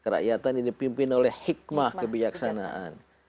rakyatan ini dipimpin oleh hikmah kebijaksanaan